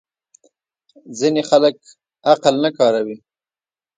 ځینې خلک عقل نه کاروي.